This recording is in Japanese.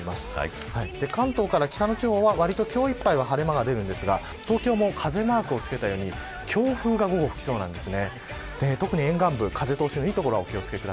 関東から北の地方は今日いっぱい晴れ間が出ますが東京も風マークをつけたように強風が午後から吹きそうです。